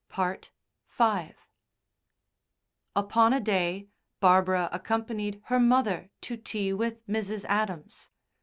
V Upon a day Barbara accompanied her mother to tea with Mrs. Adams.